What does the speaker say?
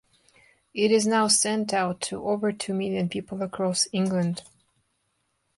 It is now sent out to over two million people across England.